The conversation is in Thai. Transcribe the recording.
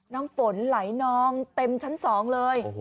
น้ำฝนไหลนองเต็มชั้น๒เลย